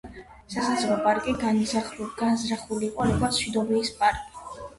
სასაზღვრო პარკი განზრახული იყო როგორც მშვიდობის პარკი.